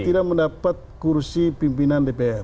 tidak mendapat kursi pimpinan dpr